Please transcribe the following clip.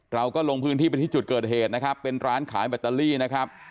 เราก็ลงพื้นที่ไปที่จุดเกิดเหตุนะครับเป็นร้านขายแบตเตอรี่นะครับ